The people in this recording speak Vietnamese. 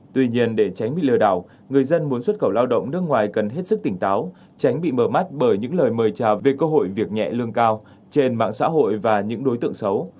tuy nhiên để tránh bị lừa đảo người dân muốn xuất khẩu lao động nước ngoài cần hết sức tỉnh táo tránh bị mờ mắt bởi những lời mời chào về cơ hội việc nhẹ lương cao trên mạng xã hội và những đối tượng xấu